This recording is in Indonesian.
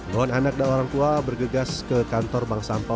puluhan anak dan orang tua bergegas ke kantor bank sampah